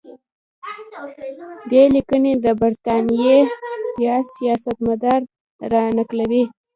دې لیکنې د برټانیې سیاستمدار را نقلوي.